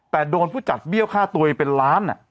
แต่โดนผู้จัดเบี้ยวค่าตัวเองเป็นล้าน